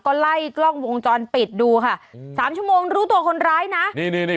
ก็ไล่กล้องวงจรปิดดูค่ะอืมสามชั่วโมงรู้ตัวคนร้ายนะนี่นี่